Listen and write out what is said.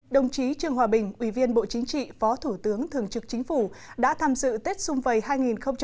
đồng chí trường hòa bình ủy viên bộ chính trị phó thủ tướng thường trực chính phủ đã tham dự tết xung vầy hai nghìn một mươi chín